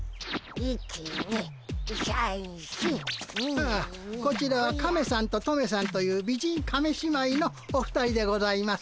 ああこちらはカメさんとトメさんという美人亀姉妹のお二人でございます。